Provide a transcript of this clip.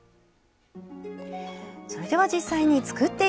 それでは実際に作っていきましょう。